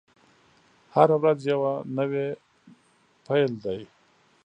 هره ورځ یوه نوې پیل دی.